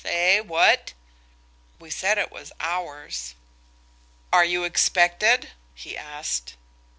Eh, what?" We said it was ours. "Are you expected?" he asked.